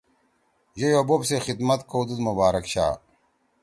یِئی او بوپ سی خدمت کوَدُو مبارک شاہ